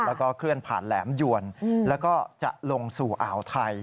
แล้วก็เคลื่อนผ่านแหลมยวนแล้วก็จะลงสู่อ่าวไทย